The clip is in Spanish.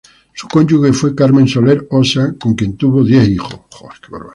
Su cónyuge fue Carmen Solar Ossa, con quien tuvo diez hijos.